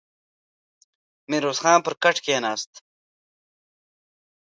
ميرويس خان پر کټ کېناست.